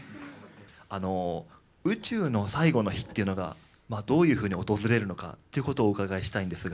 あの宇宙の最後の日っていうのがどういうふうに訪れるのかということをお伺いしたいんですが。